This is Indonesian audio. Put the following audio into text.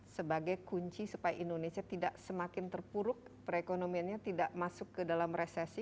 sebagai kunci supaya indonesia tidak semakin terpuruk perekonomiannya tidak masuk ke dalam resesi